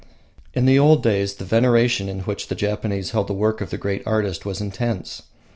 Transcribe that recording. In the old days the veneration in which the Japanese held the work of the great artist was intense.